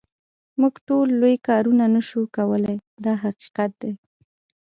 موږ ټول لوی کارونه نه شو کولای دا حقیقت دی.